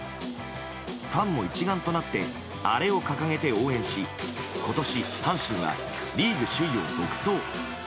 ファンも一丸となってアレを掲げて応援し今年、阪神はリーグ首位を独走。